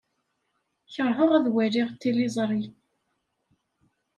Keṛheɣ ad waliɣ tiliẓri.